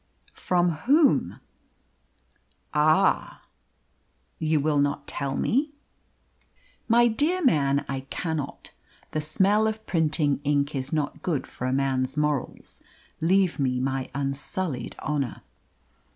"From whom?" "Ah!" "You will not tell me?" "My dear man, I cannot. The smell of printing ink is not good for a man's morals. Leave me my unsullied honour."